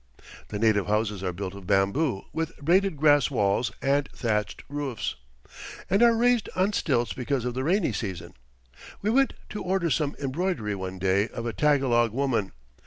The native houses are built of bamboo with braided grass walls and thatched roofs, and are raised on stilts because of the rainy season. We went to order some embroidery one day of a Tagalog woman.